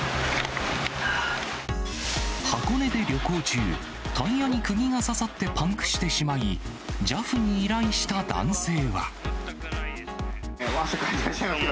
箱根で旅行中、タイヤにくぎが刺さってパンクしてしまい、ＪＡＦに依頼した男性汗かいてらっしゃいますけど。